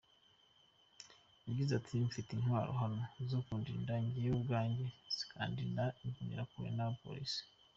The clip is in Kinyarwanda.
Yagize ati: “Mfite intwaro hano zo kundinda jyewe ubwanjye, zikandinda imbonerakure n’abapolisi.